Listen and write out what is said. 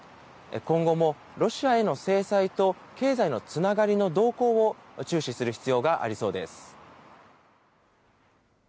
今後もロシアへの制裁と経済のつながりの動向を注視する必要がありそうです。